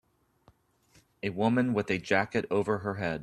A woman with a jacket over her head.